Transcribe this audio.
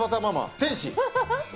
天使。